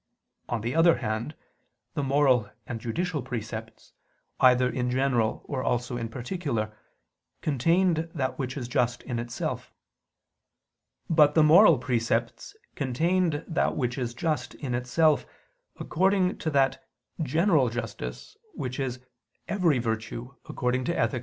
On the other hand the moral and judicial precepts, either in general or also in particular, contained that which is just in itself: but the moral precepts contained that which is just in itself according to that "general justice" which is "every virtue" according to _Ethic.